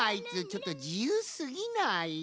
ちょっとじゆうすぎない？